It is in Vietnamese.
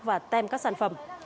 và tem các sản phẩm